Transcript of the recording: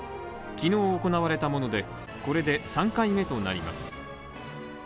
昨日行われたもので、これで３回目となります。